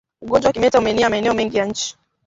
Ugonjwa wa kimeta umeenea maeneo mengi ya nchi